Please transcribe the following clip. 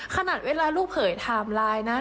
ขนาดเวลาลูกเผยไทม์ไลน์นะ